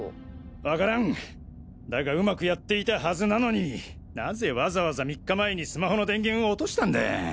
わからんだがうまくやっていたはずなのになぜわざわざ３日前にスマホの電源を落としたんだ？